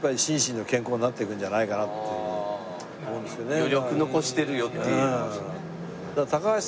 だって余力残してるよっていう。